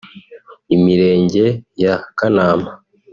Imirenge ya Kanama